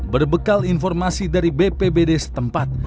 berbekal informasi dari bpbd setempat